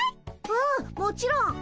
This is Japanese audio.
うんもちろん。